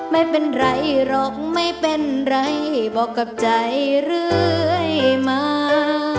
ไม่เป็นไรหรอกไม่เป็นไรบอกกับใจเรื่อยมา